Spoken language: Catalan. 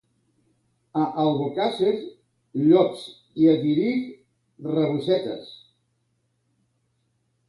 A Albocàsser, llops i a Tírig, rabosetes.